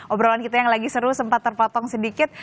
obrolan kita yang lagi seru sempat terpotong sedikit